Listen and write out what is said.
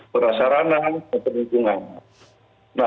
berasaranan dan peningkungan